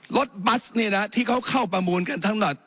รถบัสเนี่ยนะที่เขาเข้าประมูลกันทั้งหมด